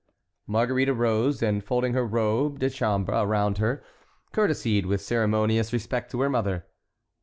Marguerite arose, and folding her robe de chambre around her, courtesied with ceremonious respect to her mother.